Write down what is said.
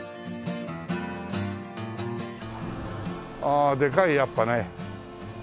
あでかいやっぱね。